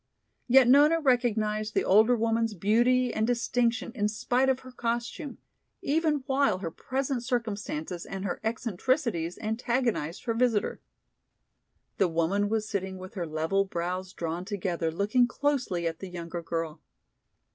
Yet Nona recognized the older woman's beauty and distinction in spite of her costume, even while her present circumstances and her eccentricities antagonized her visitor. The woman was sitting with her level brows drawn together looking closely at the younger girl.